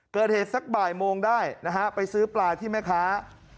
เกิดเหตุสักบ่ายโมงได้นะฮะไปซื้อปลาที่แม่ค้า